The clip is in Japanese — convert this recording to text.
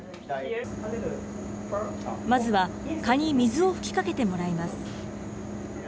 まずは、蚊に水を吹きかけてもらいます。